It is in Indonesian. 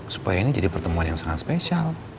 supaya ini jadi pertemuan yang sangat spesial